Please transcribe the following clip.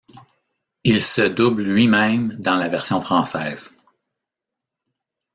Il se double lui-même dans la version française.